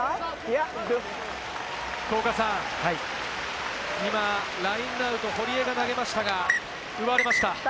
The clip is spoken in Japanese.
福岡さん、今ラインアウト、堀江が投げましたが、奪われました。